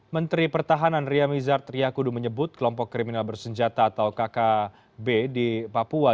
menteri pertahanan ria mizar triakudu menyebut kelompok kriminal bersenjata atau kkb di papua